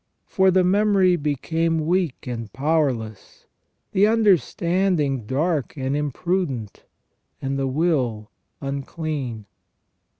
For the memory became weak and powerless, the understanding dark and imprudent, and the will un clean.